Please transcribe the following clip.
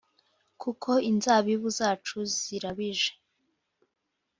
Kuko inzabibu zacu zirabije.